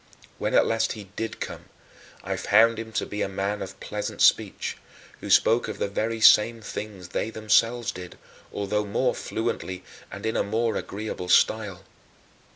When at last he did come, I found him to be a man of pleasant speech, who spoke of the very same things they themselves did, although more fluently and in a more agreeable style.